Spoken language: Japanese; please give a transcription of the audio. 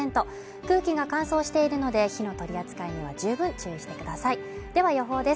空気が乾燥しているので火の取り扱いには十分注意してくださいでは予報です